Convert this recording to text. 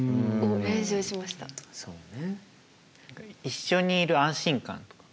一緒にいる安心感とか。